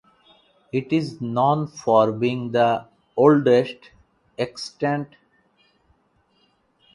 It is known for being the oldest extant distillery in the Philippines.